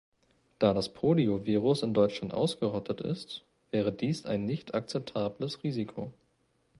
Da das Poliovirus in Deutschland ausgerottet ist, wäre dies ein nicht akzeptables Risiko.